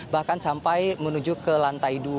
bahkan sampai menuju ke lantai dua